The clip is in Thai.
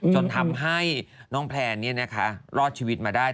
จนทำให้น้องแพร่นี่นะคะรอดชีวิตมาได้